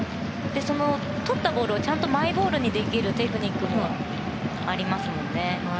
とったボールをちゃんとマイボールにできるテクニックもありますよね。